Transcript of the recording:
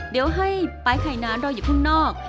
เดี๋ยวให้ไปไข่นานรออยู่ข้างนอก